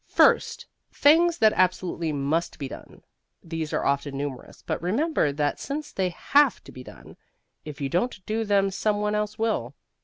First, things that absolutely must be done. These are often numerous; but remember, that since they have to be done, if you don't do them some one else will.